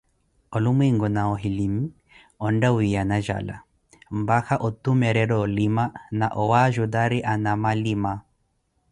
onlumwenku na ohilim ontta wiiyana jala, mpaka otumerera olima na owaajurati anamalima.